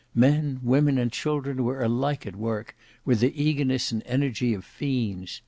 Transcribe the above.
Men, women, and children were alike at work with the eagerness and energy of fiends.